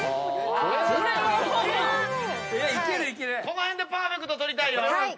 この辺でパーフェクト取りたいよ。